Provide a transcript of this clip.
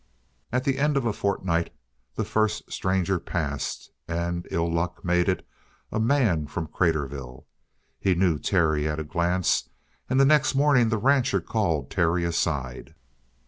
At the end of a fortnight the first stranger passed, and ill luck made it a man from Craterville. He knew Terry at a glance, and the next morning the rancher called Terry aside.